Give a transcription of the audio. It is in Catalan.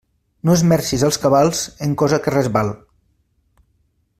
No esmercis els cabals en cosa que res val.